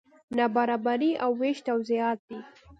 نابرابري او وېش توضیحات دي.